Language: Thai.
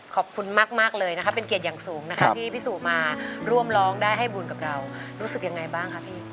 ขอบคุณมากเลยนะคะเป็นเกียรติอย่างสูงนะคะที่พี่สู่มาร่วมร้องได้ให้บุญกับเรารู้สึกยังไงบ้างคะพี่